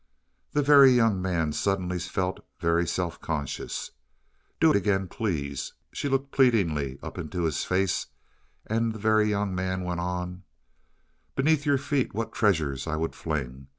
The Very Young Man suddenly felt very self conscious. "Do it again please." She looked pleadingly up into his face and the Very Young Man went on: "Beneath your feet what treasures I would fling!